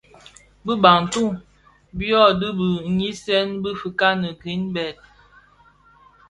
Bi Bantu (Bafia) byodhi bi nyisen bi fikani Greenberg,